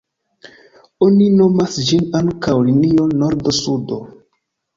Oni nomas ĝin ankaŭ linio nordo-sudo.